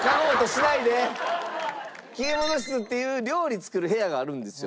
消え物室っていう料理作る部屋があるんですよ。